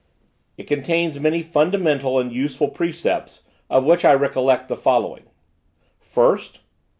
It contains many fundamental and useful precepts, of which I recollect the following: "1st.